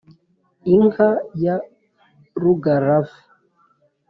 inka ya rugaravu